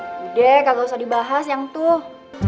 udah gak usah dibahas yang tuh